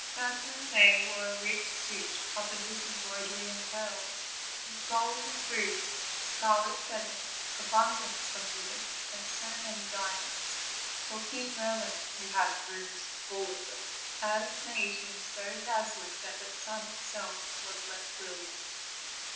Fanfarinet wore a rich suit covered with embroidery and pearls, with golden boots, scarlet feathers, abundance of ribbons, and so many diamonds, for King Merlin had whole rooms full of them, as made him so dazzling that the sun itself was less brilliant.